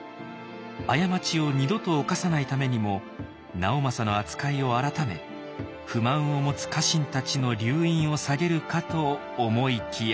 過ちを二度と犯さないためにも直政の扱いを改め不満を持つ家臣たちの留飲を下げるかと思いきや。